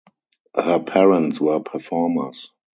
Her parents were performers.